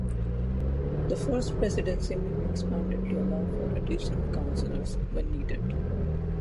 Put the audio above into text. The First Presidency may be expanded to allow for additional counselors, when needed.